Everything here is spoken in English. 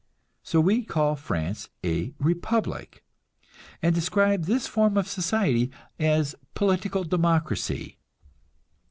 So we call France a republic, and describe this form of society as political democracy.